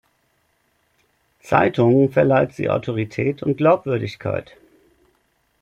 Zeitungen verleiht sie Autorität und Glaubwürdigkeit.